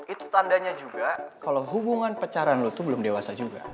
itu tandanya juga kalau hubungan pacaran lo itu belum dewasa juga